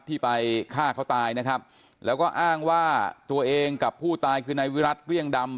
ที่ไปฆ่าเขาตายนะครับแล้วก็อ้างว่าตัวเองกับผู้ตายคือนายวิรัติเกลี้ยงดำ